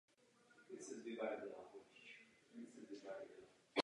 Z hlediska životního prostředí je toto označování prospěšné.